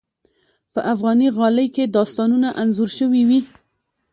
په افغاني غالۍ کې داستانونه انځور شوي وي.